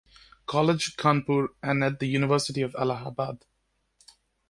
College, Kanpur and at the University of Allahabad.